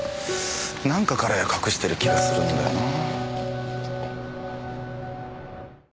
何か彼隠している気がするんだよなあ。